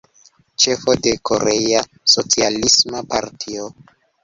Ĉefo de Korea Socialisma Partio.